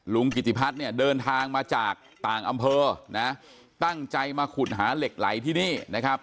กิติพัฒน์เนี่ยเดินทางมาจากต่างอำเภอนะตั้งใจมาขุดหาเหล็กไหลที่นี่นะครับ